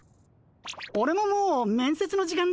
オレももう面接の時間だ。